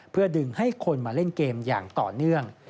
เพื่อดึงให้คนมาเล่นเกมอย่างต่อเนื่อง